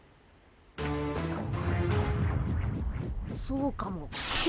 そうかも。